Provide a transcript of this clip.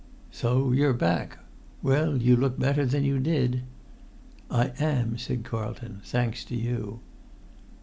"So you're back? Well, you look better than you did." "I am," said Carlton, "thanks to you."